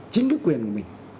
chính cái quyền của mình